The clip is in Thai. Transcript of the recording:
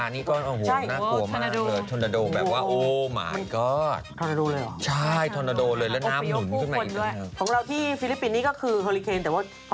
ันี้ก็คือโคลิเมร์โคลิแคนแต่ว่าพอมาอยู่ฝั่งนี้เขาเรียกว่าไต้ฝุ่นบ้างไหมคะ